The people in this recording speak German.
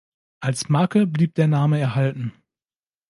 Als Marke blieb der Name erhalten.